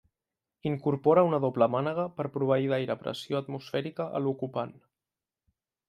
Incorpora una doble mànega per proveir d'aire a pressió atmosfèrica a l'ocupant.